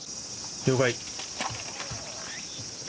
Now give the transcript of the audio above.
了解。